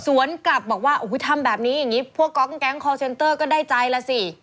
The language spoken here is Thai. กลับบอกว่าทำแบบนี้อย่างนี้พวกกองแก๊งคอร์เซ็นเตอร์ก็ได้ใจแล้วสิ